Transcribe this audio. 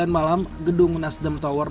sembilan malam gedung nasdem tower